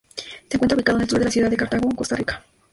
Se encuentra ubicado al sur de la ciudad de Cartago, Costa Rica.